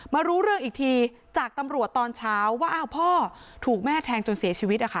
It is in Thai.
รู้เรื่องอีกทีจากตำรวจตอนเช้าว่าอ้าวพ่อถูกแม่แทงจนเสียชีวิตนะคะ